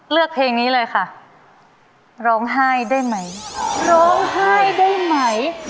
เลือกเพลงนี้เลยค่ะร้องไห้ได้ไหมร้องไห้ได้ไหม